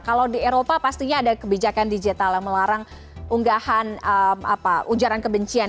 kalau di eropa pastinya ada kebijakan digital yang melarang unggahan ujaran kebencian